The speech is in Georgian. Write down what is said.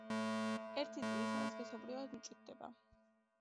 ერთი წლისა სქესობრივად მწიფდება.